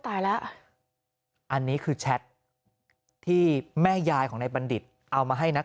ตายแล้วอันนี้คือแชทที่แม่ยายของนายบัณฑิตเอามาให้นัก